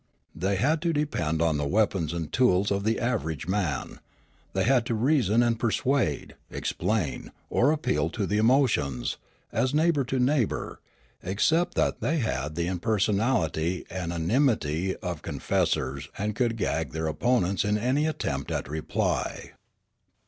They had to depend on the weapons and tools of the average man ; the}' had to reason and persuade, explain, or appeal to the emotions, as neighbour to neighbour, except that they had the impersonality and anonymit} of confes sors and could gag their opponents in any attempt at reply.